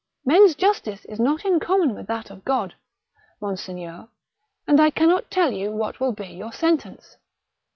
" Men's justice is not in common with that of God, monseigneur, and I cannot tell you what will be your sentence.